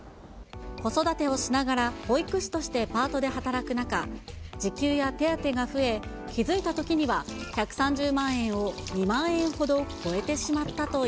子育てをしながら保育士としてパートで働く中、時給や手当が増え、気付いたときには１３０万円を２万円ほど超えてしまったとい